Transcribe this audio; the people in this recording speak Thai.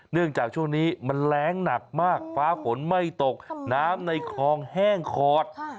จากช่วงนี้มันแรงหนักมากฟ้าฝนไม่ตกน้ำในคลองแห้งขอด